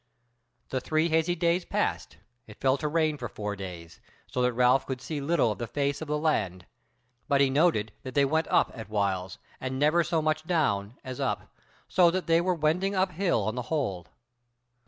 The three hazy days past, it fell to rain for four days, so that Ralph could see little of the face of the land; but he noted that they went up at whiles, and never so much down as up, so that they were wending up hill on the whole.